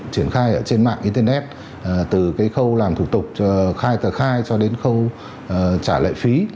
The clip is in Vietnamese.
triển khai ở trên mạng internet từ khâu làm thủ tục khai tờ khai cho đến khâu trả lệ phí